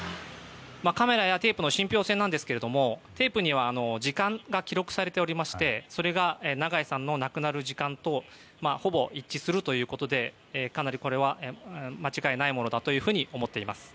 カメラやテープの信ぴょう性ですがテープには時間が記録されていてそれが長井さんの亡くなる時間とほぼ一致するということでかなりこれは間違いないものだというふうに思っています。